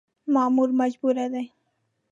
مامور مجبور دی .